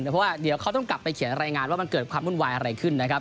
เพราะว่าเดี๋ยวเขาต้องกลับไปเขียนรายงานว่ามันเกิดความวุ่นวายอะไรขึ้นนะครับ